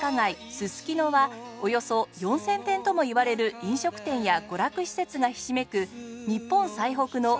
すすきのはおよそ４０００店ともいわれる飲食店や娯楽施設がひしめく